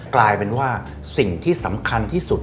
กลายเป็นว่าสิ่งที่สำคัญที่สุด